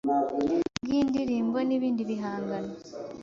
bw’indirimbo n’ibindi bihangano